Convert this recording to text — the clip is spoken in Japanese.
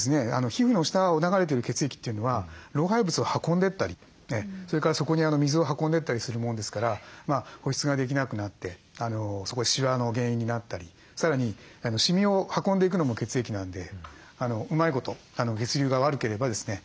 皮膚の下を流れてる血液というのは老廃物を運んでったりそれからそこに水を運んでったりするもんですから保湿ができなくなってそこでシワの原因になったりさらにシミを運んでいくのも血液なんでうまいこと血流が悪ければですね